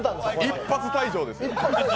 一発退場ですよ。